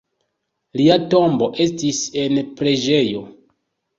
Lia tombo estis en preĝejo.